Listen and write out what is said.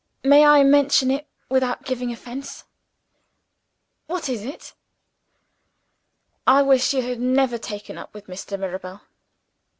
May I mention it without giving offense?" "What is it?" "I wish you had never taken up with Mr. Mirabel."